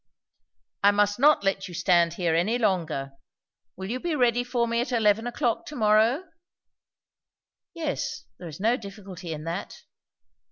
"I must not let you stand here any longer! Will you be ready for me at eleven o'clock to morrow?" "Yes. There is no difficulty in that."